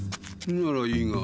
ならいいが。